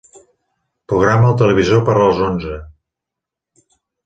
Programa el televisor per a les onze.